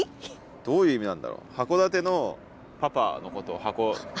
どういう意味なんだろう？